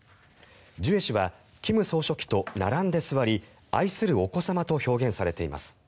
ジュエ氏は金総書記と並んで座り愛するお子様と表現されています。